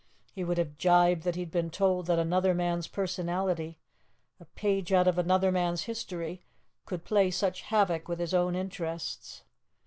He would have gibed had he been told that another man's personality, a page out of another man's history, could play such havoc with his own interests.